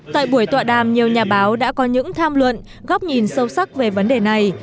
tại buổi tọa đàm nhiều nhà báo đã có những tham luận góc nhìn sâu sắc về vấn đề này